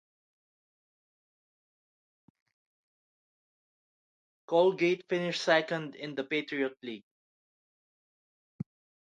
Colgate finished second in the Patriot League.